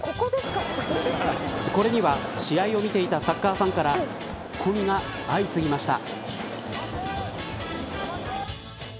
これには試合を見ていたサッカーファンからつっこみが相次ぎました。